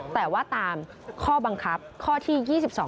แต่ว่าตามข้อบังคับข้อที่๒๒